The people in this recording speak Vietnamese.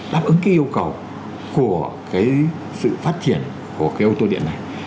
đáp ứng cái yêu cầu của cái sự phát triển của cái ô tô điện này